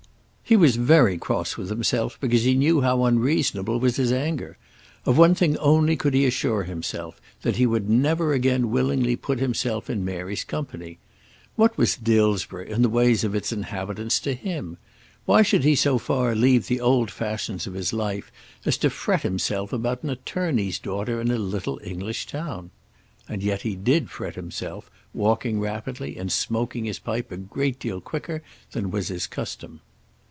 He was very cross with himself because he knew how unreasonable was his anger. Of one thing only could he assure himself, that he would never again willingly put himself in Mary's company. What was Dillsborough and the ways of its inhabitants to him? Why should he so far leave the old fashions of his life as to fret himself about an attorney's daughter in a little English town? And yet he did fret himself, walking rapidly, and smoking his pipe a great deal quicker than was his custom.